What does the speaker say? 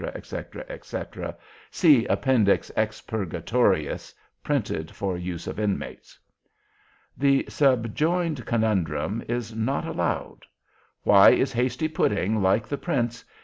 etc., etc. See INDEX EXPURGATORIUS, printed for use of Inmates. The subjoined Conundrum is not allowed: Why is Hasty Pudding like the Prince?